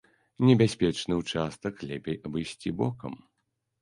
Небяспечны ўчастак лепей абысці бокам.